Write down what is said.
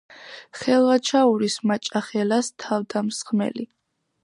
ხელვაჩაურის „მაჭახელას“ თავდამსხმელი.